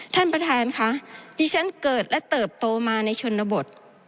ท่านประธานค่ะดิฉันเกิดและเติบโตมาในชนบท